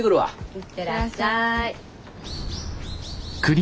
いってらっしゃい。